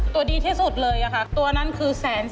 ตัวดีที่สุดเลยน่ะคะตัวนั้นคือ๑๐๔๐๐๐บาทค่ะ